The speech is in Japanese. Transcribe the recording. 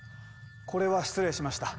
これは失礼しました。